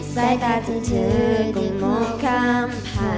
ใส่ตาทางเธอก็มองคำ